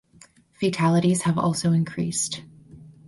Fatalities have also increased.